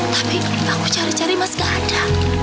tapi aku cari cari emas gak ada